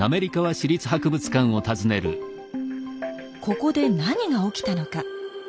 ここで何が起きたのか。